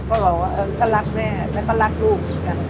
ก็จะบอกว่าก็รักแม่งั้นก็รักลูก